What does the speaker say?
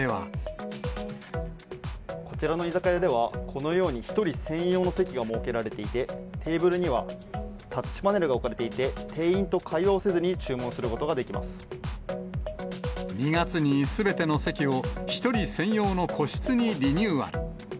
こちらの居酒屋では、このように１人専用の席が設けられていて、テーブルにはタッチパネルが置かれていて、店員と会話をせずに注２月にすべての席を１人専用の個室にリニューアル。